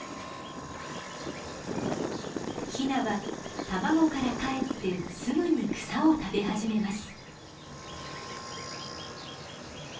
ヒナは卵からかえってすぐに草を食べ始めます。